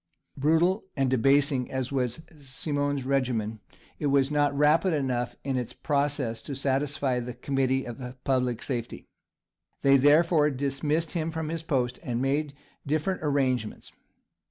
Brutal and debasing as was Simon's regimen, it was not rapid enough in its process to satisfy "the Committee of Public Safety;" they, therefore, dismissed him from his post, and made different arrangements.